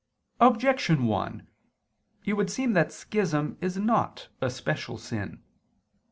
Objection 1: It would seem that schism is not a special sin.